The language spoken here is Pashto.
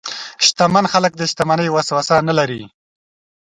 شتمن خلک د شتمنۍ وسوسه نه لري.